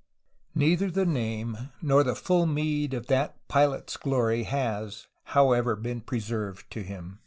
'^ Neither the name nor the full meed of that pilot's glory has, however, been preserved to him.